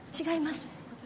違います。